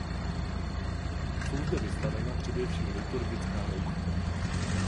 Jsou zde vystavena především liturgická roucha.